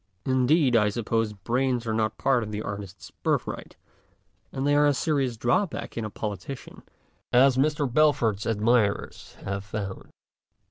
In deed, I suppose brains are part of the artist's birthright, and they are a serious drawback in a politician, as Mr. Balfour's admirers have found.